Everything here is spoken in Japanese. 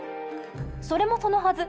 それもそのはず